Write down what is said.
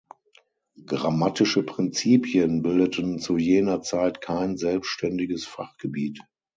Grammatische Prinzipien bildeten zu jener Zeit kein selbständiges Fachgebiet.